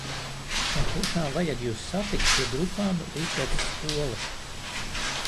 Man tiešām vajag jūs satikt pie drupām rīt pēc skolas.